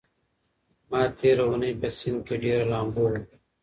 ما تېره اونۍ په سيند کې ډېره لامبو وکړه.